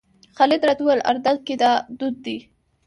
خالد راته وویل اردن کې دا دود دی.